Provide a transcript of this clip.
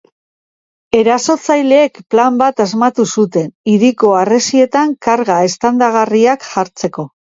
Erasotzaileek, plan bat asmatu zuten hiriko harresietan karga eztandagarriak jartzeko.